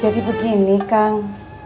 jadi begini kang